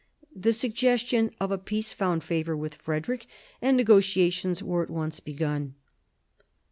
The suggestion of a peace found favour with Frederick, and negotiations were at once begun.